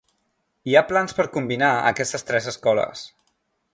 Hi ha plans per combinar aquestes tres escoles.